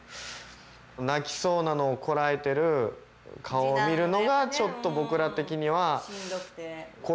泣きそうなのをこらえてる顔を見るのがちょっと僕ら的には。しんどくて。